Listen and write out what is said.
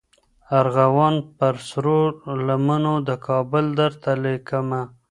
ارغوان پر سرو لمنو د کابل درته لیکمه